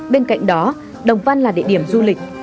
bên cạnh đó đồng văn là địa điểm du lịch